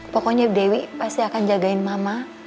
pokoknya dewi pasti akan jagain mama